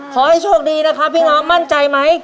ขอให้โชคดีนะครับพี่น้องมั่นใจไหม